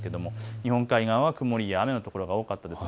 日本海側は曇りや雨の所が多かったです。